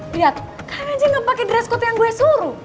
lihat kalian aja ga pake dress code yang gue suruh